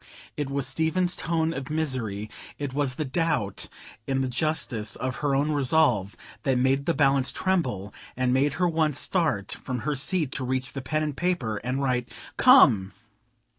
It was Stephen's tone of misery, it was the doubt in the justice of her own resolve, that made the balance tremble, and made her once start from her seat to reach the pen and paper, and write "Come!"